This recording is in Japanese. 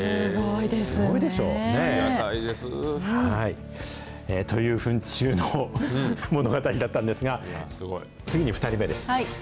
すごいでしょう。というフン虫の物語だったんですが、次に２人目です。